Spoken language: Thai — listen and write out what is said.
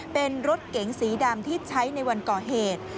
เป็นรถเก๋งสีดำที่ใช้ในวันก่อเหตุ